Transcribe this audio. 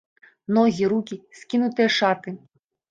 Ногі, рукі, скінутыя шаты.